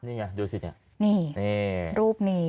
นี่ไงดูสินี่รูปนี้